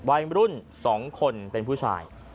วัยรุ่น๒คนเป็นผู้ชาย